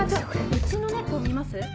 うちの猫見ます？